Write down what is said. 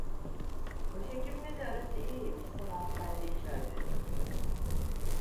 Başhekimle de arası iyi imiş, sana hastanede iş verdirecek.